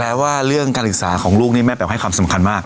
ว่าเรื่องการศึกษาของลูกนี่แม่แบบให้ความสำคัญมาก